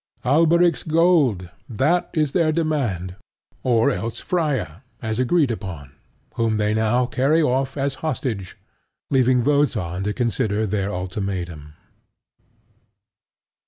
Alberic's gold: that is their demand, or else Freia, as agreed upon, whom they now carry off as hostage, leaving Wotan to consider their ultimatum.